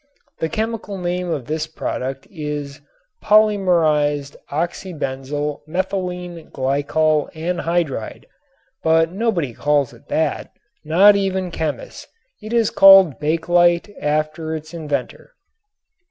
The chemical name of this product is "polymerized oxybenzyl methylene glycol anhydride," but nobody calls it that, not even chemists. It is called "Bakelite" after its inventor.